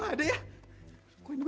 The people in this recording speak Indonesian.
keren banget ya